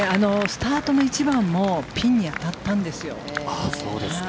スタートの１番もピンに当たったんですよ。